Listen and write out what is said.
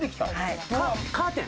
カーテン！